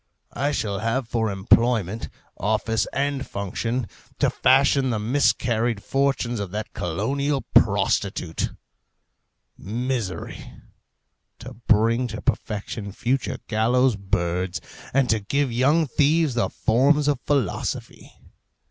I shall have for employment, office, and function, to fashion the miscarried fortunes of that colossal prostitute, Misery, to bring to perfection future gallows' birds, and to give young thieves the forms of philosophy.